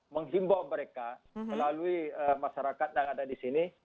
menghimbau mereka melalui masyarakat yang ada di sini